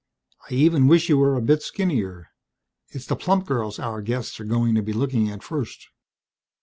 "I even wish you were a bit skinnier. It's the plump girls our guests are going to be looking at first.